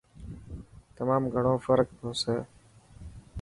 تمام گھڻو فرڪ هوسي.